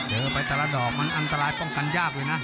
ไปแต่ละดอกมันอันตรายป้องกันยากเลยนะ